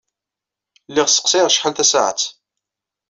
Lliɣ sseqsayeɣ acḥal tasaɛet.